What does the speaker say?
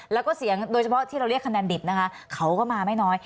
แล้วก็เสียงโดยเฉพาะที่เราเรียกคะแนนดิบนะคะเขาก็มาไม่น้อย